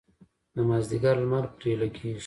د مازدیګر لمر پرې لګیږي.